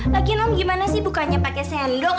lagi om gimana sih bukannya pake sendok